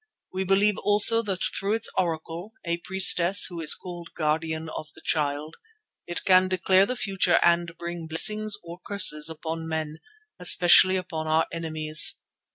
We believe also that through its Oracle—a priestess who is called Guardian of the Child—it can declare the future and bring blessings or curses upon men, especially upon our enemies.